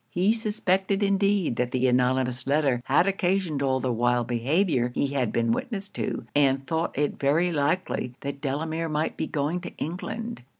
He suspected indeed that the anonymous letter had occasioned all the wild behaviour he had been witness to, and thought it very likely that Delamere might be going to England.